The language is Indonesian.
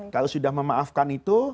kalau sudah memaafkan itu